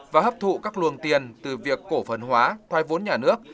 và hấp thụ các luồng tiền từ việc cổ phần hóa thoai vốn nhà nước